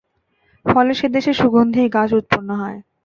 ফলে সে দেশে সুগন্ধির গাছ উৎপন্ন হয়।